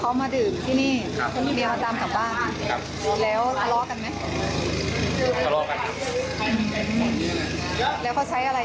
น้ำแทงน้ำฝันอะไรครับ